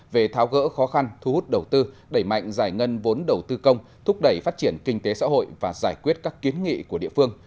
về tháo gỡ khó khăn thu hút đầu tư đẩy mạnh giải ngân vốn đầu tư công thúc đẩy phát triển kinh tế xã hội và giải quyết các kiến nghị của địa phương